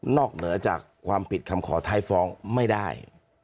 เหนือจากความผิดคำขอท้ายฟ้องไม่ได้